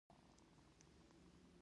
ګذر وکیل د خلکو استازی دی